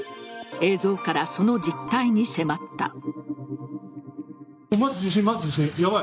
映像からその実態に迫った。